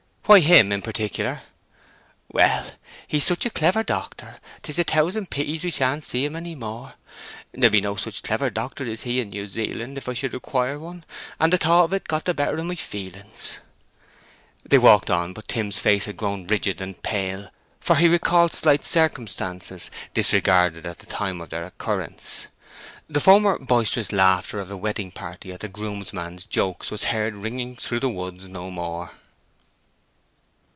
"Why him in particular?" "Well—he's such a clever doctor, that 'tis a thousand pities we sha'n't see him any more! There'll be no such clever doctor as he in New Zealand, if I should require one; and the thought o't got the better of my feelings!" They walked on, but Tim's face had grown rigid and pale, for he recalled slight circumstances, disregarded at the time of their occurrence. The former boisterous laughter of the wedding party at the groomsman's jokes was heard ringing through the woods no more.